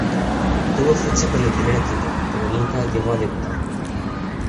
Tuvo ficha con el primer equipo, pero nunca llegó a debutar.